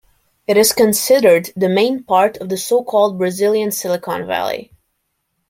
It is considered the main part of the so-called Brazilian Silicon Valley.